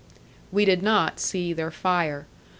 We did not see their fire.